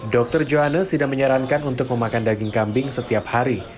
dr johannes tidak menyarankan untuk memakan daging kambing setiap hari